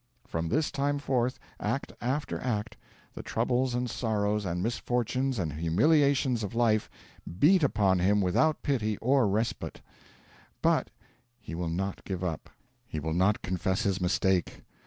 From this time forth, act after act, the troubles and sorrows and misfortunes and humiliations of life beat upon him without pity or respite; but he will not give up, he will not confess his mistake.